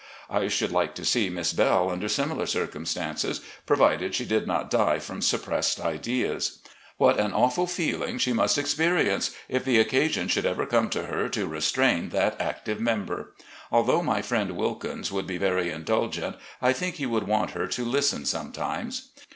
I should like to see Miss Belle under similar circumstances, provided she did not die from suppressed ideas. What an awful feeling she must ex perience, if the occasion should ever come for her to restrain that active member ! Although my friend Wilkins would be very indulgent, I think he would want her to listen sometimes.